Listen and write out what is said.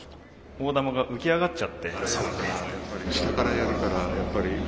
大玉が浮きあがっちゃって。